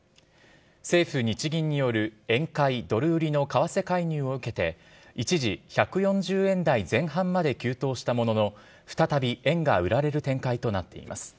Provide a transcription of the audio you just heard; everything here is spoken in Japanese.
政府・日銀による円買、ドル売りの為替介入を受けて、一時１４０円台前半まで急騰したものの、再び円が売られる展開となっています。